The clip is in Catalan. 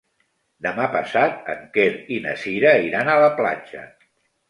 Demà passat en Quer i na Cira iran a la platja.